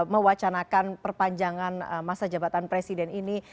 mewacanakan perpanjangan masa jabatan presiden ini